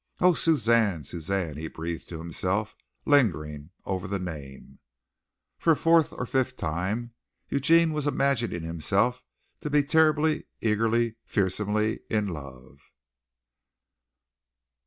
"Oh, Suzanne, Suzanne!" he breathed to himself, lingering over the name. For a fourth or a fifth time Eugene was imagining himself to be terribly, eagerly, fearsomely in love.